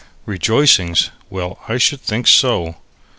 Rejoicings! Well, I should think so!